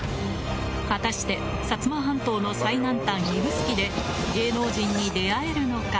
果たして薩摩半島の最南端指宿で芸能人に出会えるのか？